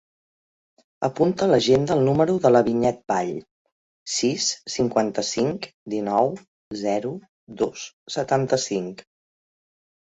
Apunta a l'agenda el número de la Vinyet Vall: sis, cinquanta-cinc, dinou, zero, dos, setanta-cinc.